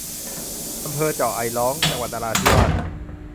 อำเภอเจาะไอร้อง จังหวัดนราธิวาส